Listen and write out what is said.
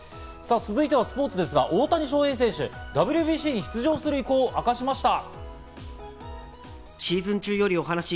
さぁ、続いてはスポーツですが、大谷翔平選手、ＷＢＣに出場する意向を明かしました。